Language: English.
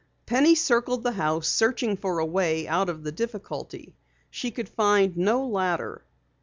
Penny circled the house, searching for a way out of the difficulty. She could find no ladder.